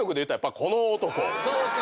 そうか。